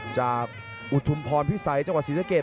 จากอุทุมพรพิษัยจังหวัดศิริเกต